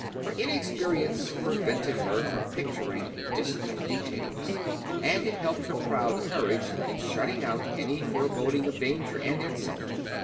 Her inexperience prevented her from picturing distant details, and it helped her proud courage in shutting out any foreboding of danger and insult.